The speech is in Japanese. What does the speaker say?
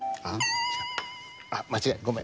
あっ間違え！